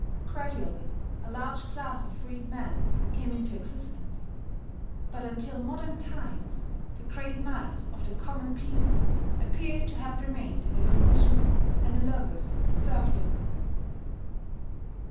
Gradually a large class of freedmen came into existence; but until modern times the great mass of the common people appear to have remained in a condition analogous to serfdom.